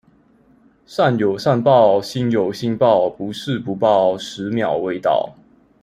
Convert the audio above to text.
善有善報，星有星爆。不是不報，十秒未到